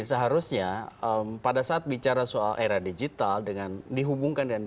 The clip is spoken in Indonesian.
seharusnya pada saat bicara soal era digital dihubungkan dengan good government dan clean government